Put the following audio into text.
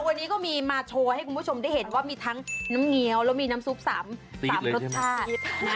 วันนี้ก็มีมาโชว์ให้คุณผู้ชมได้เห็นว่ามีทั้งน้ำเงี้ยวแล้วมีน้ำซุป๓รสชาติ